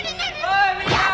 おーいみんな！